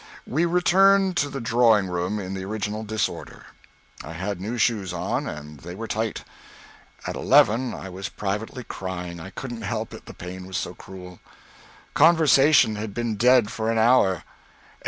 We returned to the drawing room in the original disorder. I had new shoes on, and they were tight. At eleven I was privately crying; I couldn't help it, the pain was so cruel. Conversation had been dead for an hour.